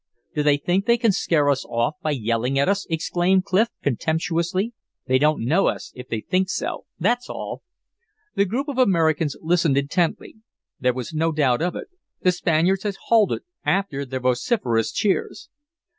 "Do they think they can scare us off by yelling at us?" exclaimed Clif, contemptuously. "They don't know us, if they think so that's all!" The group of Americans listened intently. There was no doubt of it, the Spaniards had halted after their vociferous cheers.